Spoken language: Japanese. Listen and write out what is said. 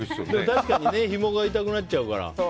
確かにひもが痛くなっちゃうから。